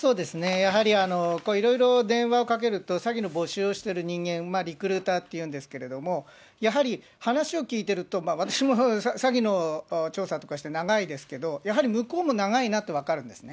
やはりいろいろ電話をかけると、詐欺の募集をしている人間、リクルーターっていうんですけど、やはり、話を聞いてると、私も詐欺の調査とかして長いですけど、やはり向こうも長いなと分かるんですね。